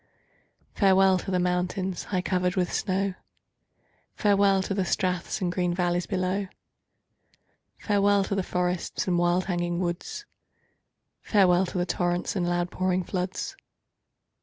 Farewell to the mountains, high cover'd with snow, Farewell to the straths and green vallies below; Farewell to the forests and wild hanging woods, Farewell to the torrents and loud pouring floods.